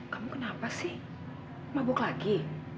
kamu kenapa sih mabuk lagi